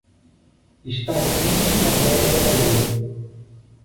Está quente na velha lareira.